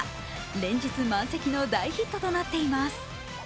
連日満席の大ヒットとなっています。